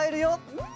うん！